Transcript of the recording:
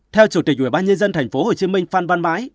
theo chủ tịch ubnd tp hcm phan van mãi